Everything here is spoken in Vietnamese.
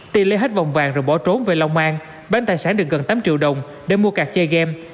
ti lấy hết vòng vàng rồi bỏ trốn về long an bến tài sản được gần tám triệu đồng để mua cà chơi game